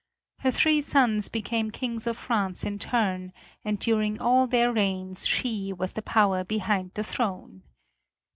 Her three sons became kings of France in turn, and during all their reigns she was the power behind the throne.